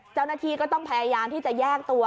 เจ้าหน้าที่ก็ต้องพยายามที่จะแยกตัว